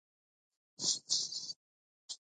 نباتات د ايکوسيستم توازن ساتي